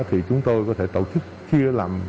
thì chúng tôi có thể tổ chức chia làm